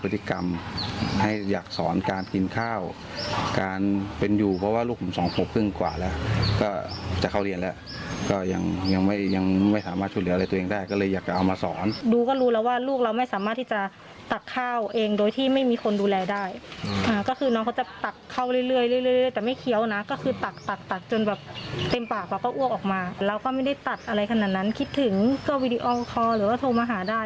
ถึงก็วีดีโอคอร์หรือว่าโทรมาหาได้